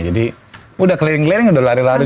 jadi udah keliling keliling udah lari lari